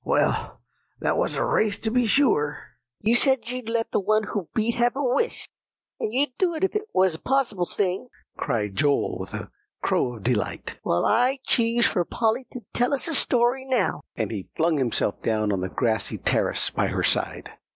"Well, that was a race, to be sure." "You said you'd let the one who beat have a wish, and you'd do it if it was a possible thing," cried Joel with a crow of delight. "Well, I choose for Polly to tell us a story now;" and he flung himself down on the grassy terrace by her side.